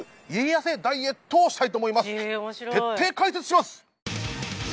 徹底解説します！